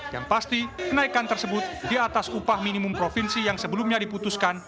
yang pasti kenaikan tersebut di atas upah minimum provinsi yang sebelumnya diputuskan